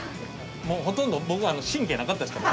もうほとんど僕あの神経なかったですから。